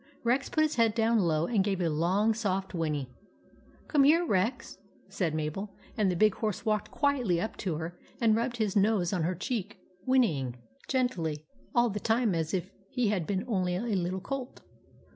Rex put his head down low and gave a long soft whinny. "Come here, Rex," said Mabel ; and the big horse walked quietly up to her, and THE TAMING OF REX 23 rubbed his nose on her cheek, whinnying all the time as gently as if he had been only a little colt.